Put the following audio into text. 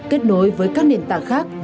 kết nối với các nền tảng khác